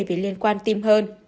về liên quan tim hơn